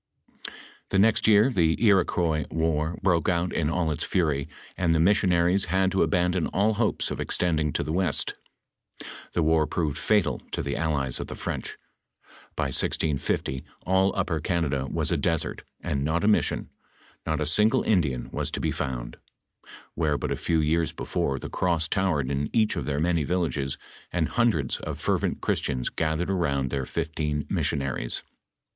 * The next year the Iroquois war broke out in all its fury ; and the missionaries bad to abandon all hopes of extending to tho west. The war proved fatal to the allies of the French ; by 1650, all Upper Canada was a desert, and not a mission, not a single Indian was to be found, where but a few years before the cross towered in each of their many villages, and hundreds of fervent Christians gathered around their fifteen missionaries.